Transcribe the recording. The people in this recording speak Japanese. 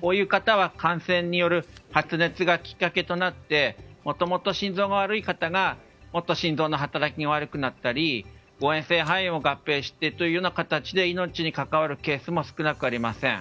こういう方は、感染による発熱がきっかけとなってもともと心臓が悪い方がもっと心臓の働きが悪くなったり誤嚥性肺炎を合併したりして命に関わるケースも少なくありません。